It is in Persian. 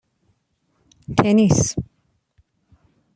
تنیس